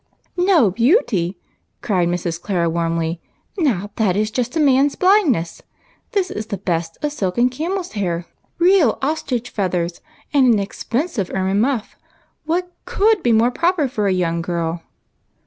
" No beauty !" cried Mrs. Clara, warmly. " Now that is just a man's blindness. This is the best of silk and camel's hair, real ostrich feathers, and an expensive ermine muff. What could be in better taste, or more* proper for a young girl